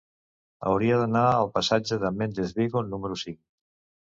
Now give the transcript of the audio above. Hauria d'anar al passatge de Méndez Vigo número cinc.